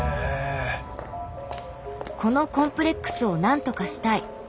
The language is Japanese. このコンプレックスを何とかしたい。